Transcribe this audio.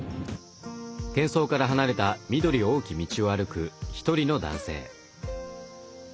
けん騒から離れた緑多き道を歩く１人の男性。